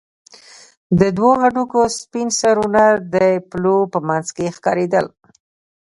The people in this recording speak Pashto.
د دوو هډوکو سپين سرونه د پلو په منځ کښې ښکارېدل.